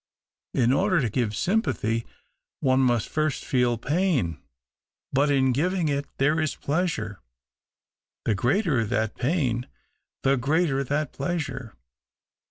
"In order to give sympathy, one must first feel pain, but in giving it there is pleasure : the greater that pain the greater that pleasure.